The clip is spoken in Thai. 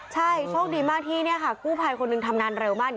ใช่โชคดีมากที่กู้ภัยคนหนึ่งทำงานเร็วมาก